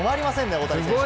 大谷選手。